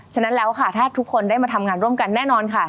ฉะนั้นแล้วค่ะถ้าทุกคนได้มาทำงานร่วมกันแน่นอนค่ะ